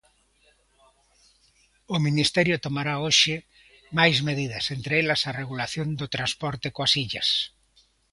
O Ministerio tomará hoxe máis medidas, entre elas, a regulación do transporte coas illas.